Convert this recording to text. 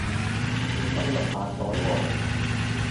要登入下載喎